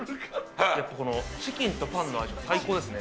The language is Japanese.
やっぱ、このチキンとパンの相性最高ですね。